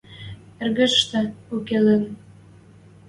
Эргӹштӹ уке ылын.